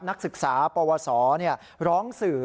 นักศึกษาปวสร้องสื่อ